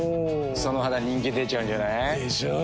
その肌人気出ちゃうんじゃない？でしょう。